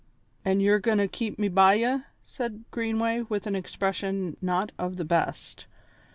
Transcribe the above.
"An' ye're goin' to keep me by ye?" said Greenway, with an expression not of the best.